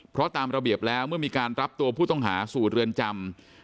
เพราะตามระเบียบแล้วเมื่อมีการรับตัวผู้ต้องหาสู่เรือนจำ